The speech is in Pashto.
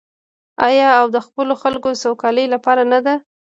آیا او د خپلو خلکو د سوکالۍ لپاره نه ده؟